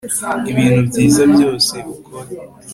ibintu byiza byose ukora